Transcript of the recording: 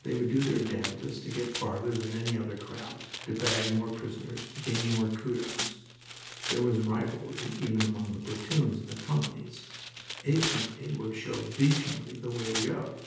They would do their damnedest to get farther than any other crowd, to bag more prisoners, to gain more "kudos." There was rivalry even among the platoons and the companies. "A" Company would show "B" Company the way to go!